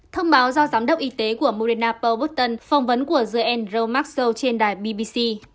thông báo do giám đốc y tế của moderna paul button phòng vấn của j n romaxo trên đài bbc